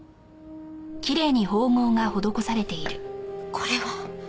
これは。